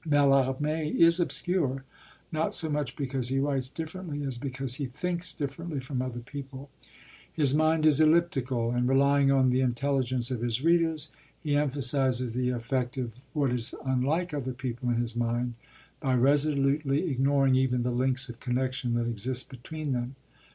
Mallarmé is obscure, not so much because he writes differently as because he thinks differently from other people. His mind is elliptical, and (relying on the intelligence of his readers) he emphasises the effect of what is unlike other people in his mind by resolutely ignoring even the links of connection that exist between them.